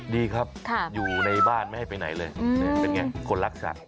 ดีครับอยู่ในบ้านไม่ให้ไปไหนเลยเป็นไงคนรักสัตว